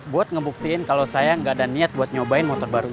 buat ngebuktiin kalau saya nggak ada niat buat nyobain motor baru